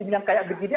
yang kayak begini